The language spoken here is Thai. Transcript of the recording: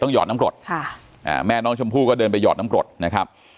หอดน้ำกรดแม่น้องชมพู่ก็เดินไปหอดน้ำกรดนะครับ